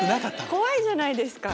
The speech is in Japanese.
怖いじゃないですか。